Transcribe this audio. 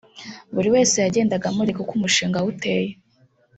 buri wese yagendaga amurika uko umushinga we uteye